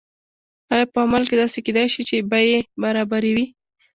آیا په عمل کې داسې کیدای شي چې بیې برابرې وي؟